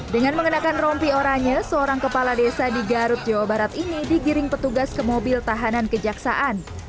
dengan mengenakan rompi oranye seorang kepala desa di garut jawa barat ini digiring petugas ke mobil tahanan kejaksaan